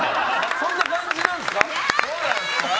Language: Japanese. そんな感じなんですか？